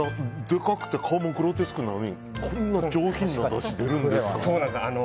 でかくて顔もグロデスクなのにこんなに上品なおだしが出るんですかね。